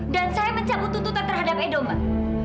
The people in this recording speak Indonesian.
dan saya mencabut tutupan terhadap edo mbak